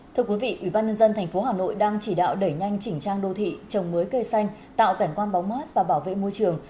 thưa quý vị ubnd tp hà nội đang chỉ đạo đẩy nhanh chỉnh trang đô thị trồng mới cây xanh tạo cảnh quan bóng mát và bảo vệ môi trường